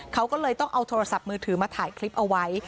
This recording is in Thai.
เขาก็เลยต้องเอาโทรศัพท์มือถือมาถ่ายคลิปเอาไว้